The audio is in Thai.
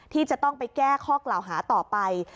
ที่จะต้องไปแก้ข้อกล่าวหาต่อไป